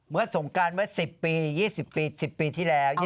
เมื่อสมการมา๑๐ปี๒๐ปีที่แล้ว